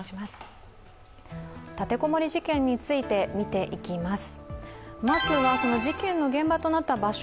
立て籠もり事件について見ていきます。